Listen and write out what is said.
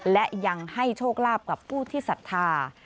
และยังให้โชคลาภกับผู้ที่ศรัทธา